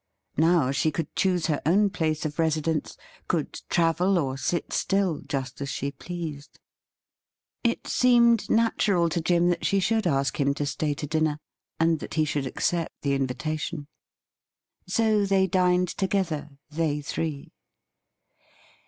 Now she could choose her own place of residence — could travel or sit still just as she pleased. It seemed natural to Jim that she should ask him to stay to dinner, and that he should accept the invitation. 202 THE RIDDLE RING So they dined together — ^they three.